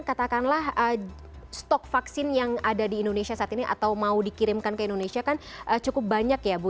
katakanlah stok vaksin yang ada di indonesia saat ini atau mau dikirimkan ke indonesia kan cukup banyak ya bu